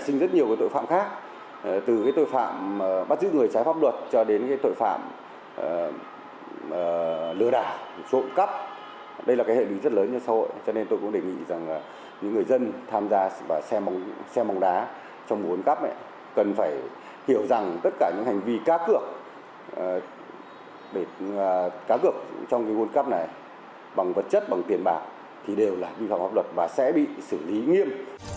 các bệnh vi phạm cá gợp trong nguồn cấp này bằng vật chất bằng tiền bạc thì đều là vi phạm pháp luật và sẽ bị xử lý nghiêm